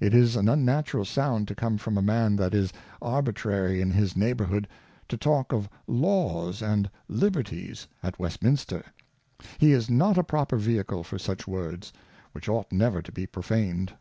It is an unnatural Sound to come from a Man that is arbitrary in his Neighbourhood, to talk of Laws and Liberties at West minster; he is not a proper Vehicle for such Words, which ought never to be prophaned.